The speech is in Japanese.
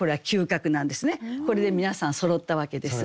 これで皆さんそろったわけです。